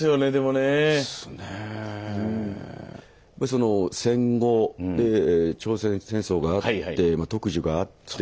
その戦後で朝鮮戦争があってまあ特需があって。